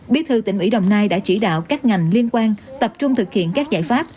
bí thư tỉnh ủy đồng nai đã chỉ đạo các ngành liên quan tập trung thực hiện các giải pháp